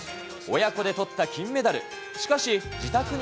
親子でとった金メダル。